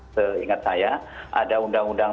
seingat saya ada undang undang